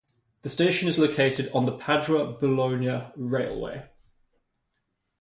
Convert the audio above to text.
The station is located on the Padua–Bologna railway.